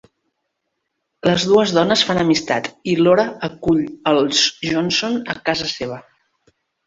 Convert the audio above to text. Les dues dones fan amistat i Lora acull els Johnson a casa seva.